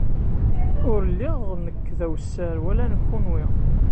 Ur lliɣ nekk d awessar wala kenwi.